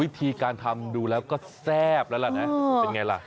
วิธีการทำดูแล้วก็แซ่บแล้วล่ะนะเป็นไงล่ะ